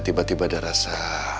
tiba tiba ada rasa